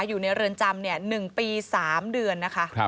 อยู่ในเรือนจำ๑ปี๓เดือนนะคะ